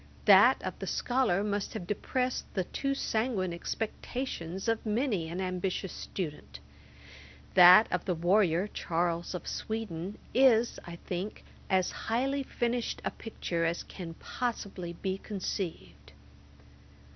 That of the scholar must have depressed the too sanguine expectations of many an ambitious student. That of the warrior, Charles of Sweden, is, I think, as highly finished a picture as can possibly be conceived.